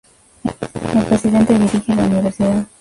El presidente dirige la universidad.